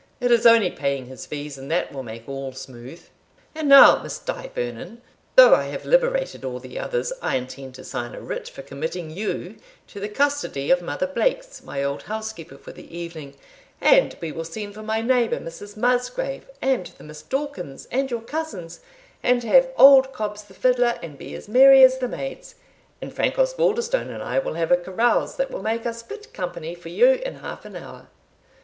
it is only paying his fees, and that will make all smooth And now, Miss Die Vernon, though I have liberated all the others, I intend to sign a writ for committing you to the custody of Mother Blakes, my old housekeeper, for the evening, and we will send for my neighbour Mrs. Musgrave, and the Miss Dawkins, and your cousins, and have old Cobs the fiddler, and be as merry as the maids; and Frank Osbaldistone and I will have a carouse that will make us fit company for you in half an hour."